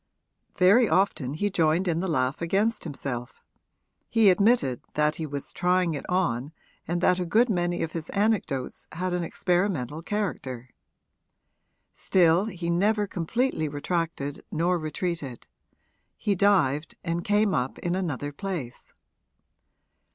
Very often he joined in the laugh against himself he admitted that he was trying it on and that a good many of his anecdotes had an experimental character. Still he never completely retracted nor retreated he dived and came up in another place.